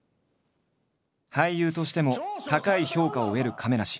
俳優としても高い評価を得る亀梨。